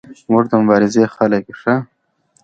موږ د مبارزې خلک یو.